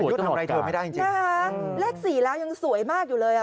อ่ายุทธ์ทำอะไรเธอไม่ได้จริงนะฮะแลกสีแล้วยังสวยมากอยู่เลย